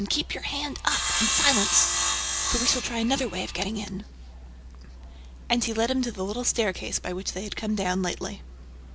"Keep your hand up! And silence! For we shall try another way of getting in." And he led him to the little staircase by which they had come down lately.